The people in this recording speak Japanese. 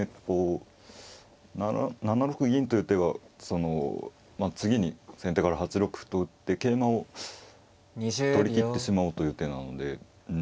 この７六銀という手は次に先手から８六歩と打って桂馬を取り切ってしまおうという手なので。